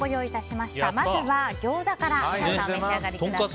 まずは、ぎょうざから皆さんお召し上がりください。